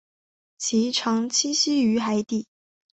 其常栖息于海底。